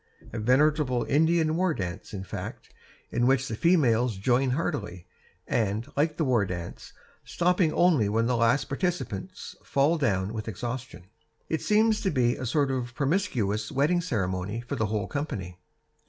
A veritable Indian war dance, in fact, in which the females join heartily, and like the war dance, stopping only when the last participant falls down with exhaustion. It seems to be a sort of promiscuous wedding ceremony for the whole company.